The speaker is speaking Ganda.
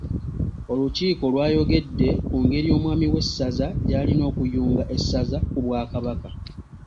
Olukiiko lwayogedde ku ngeri omwami w’essaza gy’alina okuyunga essaza ku Bwakabaka.